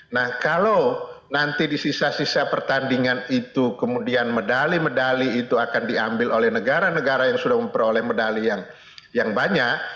nah kalau nanti di sisa sisa pertandingan itu kemudian medali medali itu akan diambil oleh negara negara yang sudah memperoleh medali yang banyak